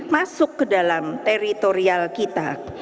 masuk ke dalam teritorial kita